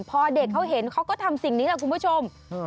พอเด็กเขาเห็นเขาก็ทำสิ่งนี้แหละคุณผู้ชม